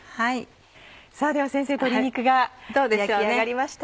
さぁでは先生鶏肉が焼き上がりました。